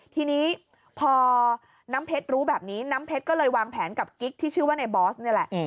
ทีนี้พอน้ำเพชรรู้แบบนี้น้ำเพชรก็เลยวางแผนกับกิ๊กที่ชื่อว่าในบอสนี่แหละ